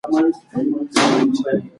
لوستې نجونې د شخړو پر مهال اعتدال پالي.